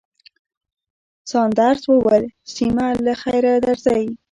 ساندرز وویل، سېمه، له خیره درځئ.